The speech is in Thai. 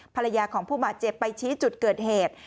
ภรรยาของผู้บาดเจ็บไปชี้จุดเกิดเหตุ